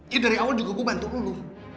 ya dari awal juga gue bantu dulu